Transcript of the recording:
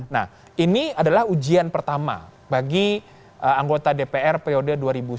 nah ini adalah ujian pertama bagi anggota dpr periode dua ribu sembilan belas dua ribu dua